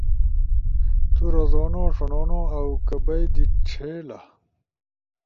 تو رزونو، ݜنونو اؤ کہ بئی دی چھیلا؟